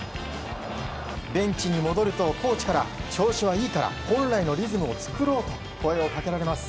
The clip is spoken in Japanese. ベンチに戻るとコーチから調子はいいから本来のリズムを作ろうと声をかけられます。